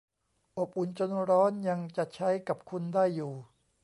อบอุ่นจนร้อนยังจะใช้กับคุณได้อยู่